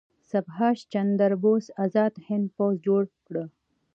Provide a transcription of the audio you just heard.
سبهاش چندر بوس ازاد هند پوځ جوړ کړ.